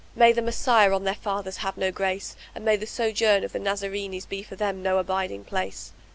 May the Messiah on their fathers have no grace, and may the sojourn of the Nazarenes be for them no abiding place!"